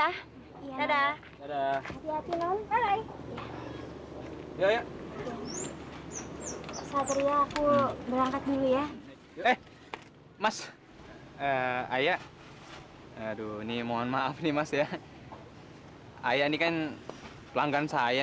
ya ya aku berangkat dulu ya mas ayah aduh ini mohon maaf nih mas ya hai ayah nikah pelanggan saya